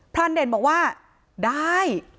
รานเด่นบอกว่าได้